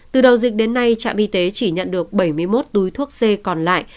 từ đầu dịch đến nay trạm y tế chỉ nhận được bảy mươi một túi thuốc c còn lại